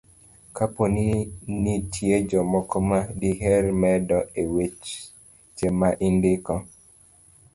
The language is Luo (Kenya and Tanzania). kapo ni nitie jomoko ma diher medo e weche ma indiko.